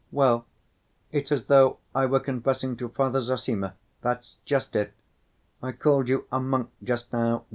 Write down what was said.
Well, it's as though I were confessing to Father Zossima, that's just it. I called you a monk just now.